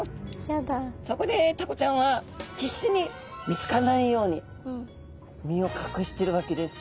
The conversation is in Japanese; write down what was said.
そこでタコちゃんは必死に見つからないように身を隠してるわけです。